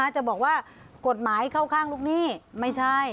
จะบอกว่ากฎหมายเข้าข้างลูกหนี้ไม่ใช่